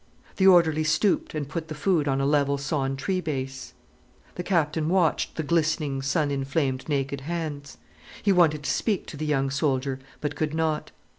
The orderly stooped and put the food on a level sawn tree base. The Captain watched the glistening, sun inflamed, naked hands. He wanted to speak to the young soldier, but could not.